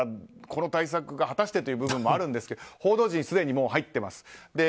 この対策が果たしてという部分もあるんですけど報道陣、すでにもう入っています。